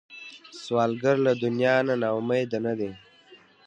سوالګر له دنیا نه نا امیده نه دی